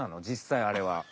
実際あれは。